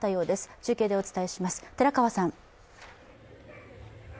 中継でお伝えします。